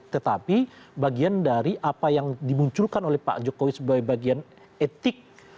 tetapi bagian dari apa yang dimunculkan oleh pak jokowi sebagai bagian etik